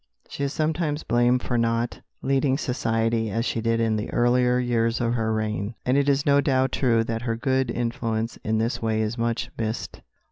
She is sometimes blamed for not leading society as she did in the earlier years of her reign, and it is no doubt true that her good influence in this way is much missed.